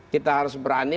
kita harus berani